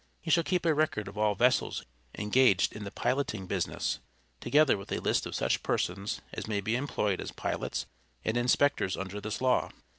He shall keep a record of all vessels engaged in the piloting business, together with a list of such persons as may be employed as pilots and inspectors under this law.